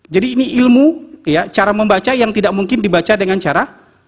jadi ini ilmu cara membaca yang tidak mungkin dibaca dengan cara